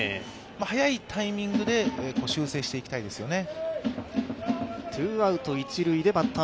早いタイミングで修正していきたいですよね。